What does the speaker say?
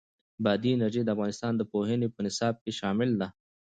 بادي انرژي د افغانستان د پوهنې په نصاب کې شامل ده.